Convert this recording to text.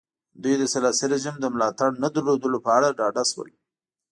دوی د سلاسي رژیم د ملاتړ نه درلودلو په اړه ډاډه شول.